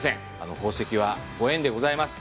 宝石はご縁でございます。